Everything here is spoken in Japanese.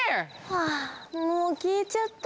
はあもうきえちゃった。